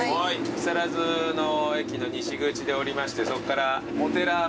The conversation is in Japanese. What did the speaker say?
木更津の駅の西口で降りましてそっから。